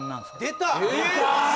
出た！